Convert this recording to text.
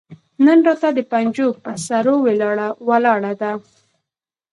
نن راته د پنجو پهٔ سرو ولاړه ده